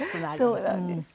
そうなんです。